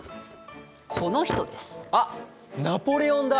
あっナポレオンだ！